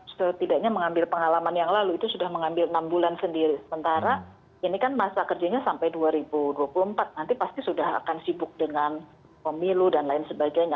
setidaknya mengambil pengalaman yang lalu itu sudah mengambil enam bulan sendiri sementara ini kan masa kerjanya sampai dua ribu dua puluh empat nanti pasti sudah akan sibuk dengan pemilu dan lain sebagainya